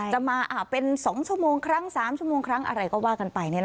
จะมาเป็น๒ชั่วโมงครั้ง๓ชั่วโมงครั้งอะไรก็ว่ากันไป